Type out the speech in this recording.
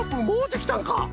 もうできたんか。